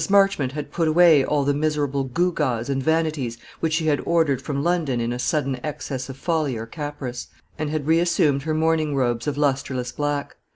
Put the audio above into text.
Marchmont had put away all the miserable gew gaws and vanities which she had ordered from London in a sudden excess of folly or caprice, and had reassumed her mourning robes of lustreless black.